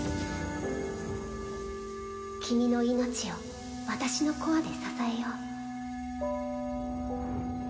君の命を私のコアで支えよう